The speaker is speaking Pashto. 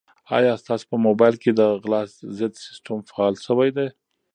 آیا ستاسو په موبایل کې د غلا ضد سیسټم فعال شوی دی؟